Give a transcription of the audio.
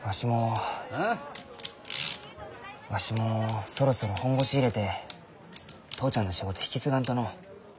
わしもそろそろ本腰入れて父ちゃんの仕事引き継がんとのう。